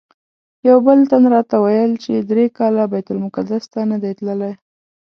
یو بل تن راته ویل چې درې کاله بیت المقدس ته نه دی تللی.